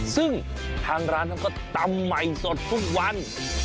ซึ่งทางร้านเขาก็ตำใหม่สดทุกวัน